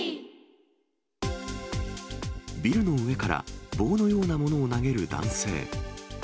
ビルの上から棒のようなものを投げる男性。